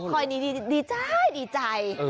ค่อยนี้ดีใจดีใจ